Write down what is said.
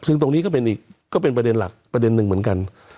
ซึ่งตรงนี้ก็เป็นประเด็นหนึ่งเหมือนกัน